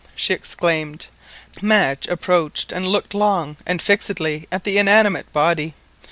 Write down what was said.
she exclaimed. Madge approached and looked long and fixedly at the inanimate body.